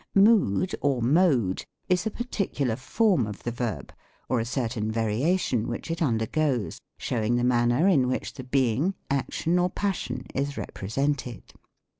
Mood or .Mode is a particular form of the verb, or a certain variation which it undergoes, showing the man ner in which the being, action, or passion, is repre sented.